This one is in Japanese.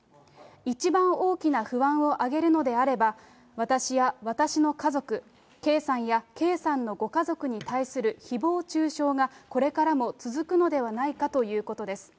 一番大きな不安を挙げるのであれば、私や私の家族、圭さんや圭さんのご家族に対するひぼう中傷がこれからも続くのではないかということです。